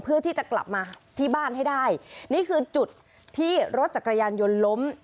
เพื่อที่จะกลับมาที่บ้านให้ได้นี่คือจุดที่รถจักรยานยนต์ล้ม